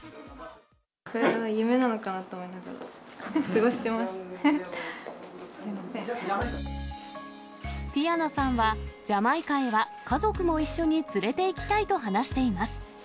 これは夢なのかなと思いながティヤナさんは、ジャマイカへは家族も一緒に連れていきたいと話しています。